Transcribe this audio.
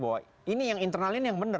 bahwa ini yang internal ini yang benar